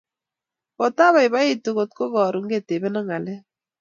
kotabaibaitu kotko katakoro ketebena ngalek